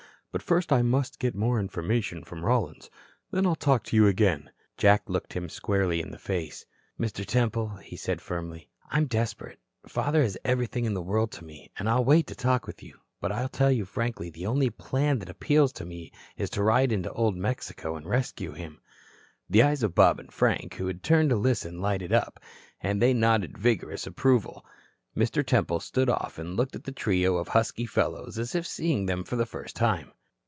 But first I must get more information from Rollins. Then I'll talk to you again." Jack looked him squarely in the face. "Mr. Temple," said he firmly, "I'm desperate. Father is everything in the world to me. I'll wait to talk with you. But I tell you frankly the only plan that appeals to me is to ride into Old Mexico and rescue him." The eyes of Bob and Frank, who had turned to listen, lighted up, and they nodded vigorous approval. Mr. Temple stood off and looked at the trio of husky fellows as if seeing them for the first time.